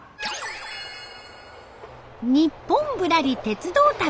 「ニッポンぶらり鉄道旅」。